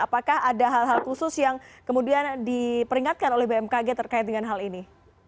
apakah ada hal hal khusus yang kemudian diperingatkan oleh bmkg terkait dengan hal ini